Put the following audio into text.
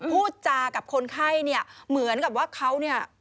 พูดจากับคนไข้เนี่ยเหมือนกับว่าเขาเนี่ย